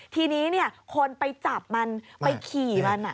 ทีนี้คนไปจับมันไปขี่มัน